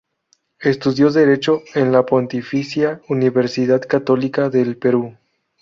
Estudió derecho en la Pontificia Universidad Católica del Perú.